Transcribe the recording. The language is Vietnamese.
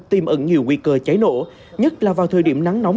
tìm ẩn nhiều nguy cơ cháy nổ nhất là vào thời điểm nắng nóng